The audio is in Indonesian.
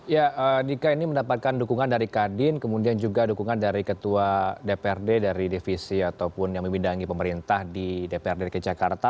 ya dika ini mendapatkan dukungan dari kadin kemudian juga dukungan dari ketua dprd dari divisi ataupun yang membidangi pemerintah di dprd ke jakarta